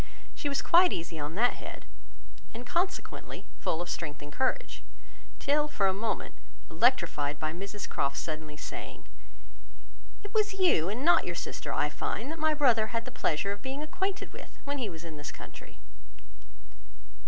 She was quite easy on that head, and consequently full of strength and courage, till for a moment electrified by Mrs Croft's suddenly saying,— "It was you, and not your sister, I find, that my brother had the pleasure of being acquainted with, when he was in this country."